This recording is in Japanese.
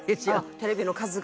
テレビの数が？